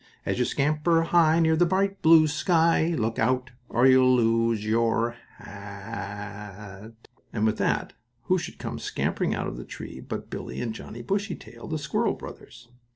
As you scamper high, near the bright, blue sky, Look out, or you'll lose your hat." And with that who should come scampering out of a tree but Billie and Johnnie Bushytail, the squirrel brothers.